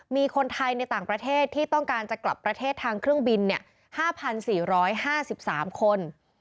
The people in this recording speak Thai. มีคนไทยในต่างประเทศที่ต้องการจะกลับประเทศทางเครื่องบินเนี่ยห้าพันสี่ร้อยห้าสิบสามคน